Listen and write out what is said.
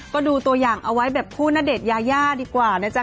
ก็ดูตัวอย่างเอาไว้แบบคู่ณเดชนยายาดีกว่านะจ๊